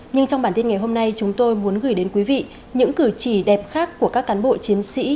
nhưng trong bản tin ngày hôm nay chúng tôi muốn gửi đến quý vị những cử chỉ đẹp khác của các cán bộ chiến sĩ